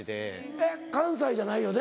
えっ関西じゃないよね？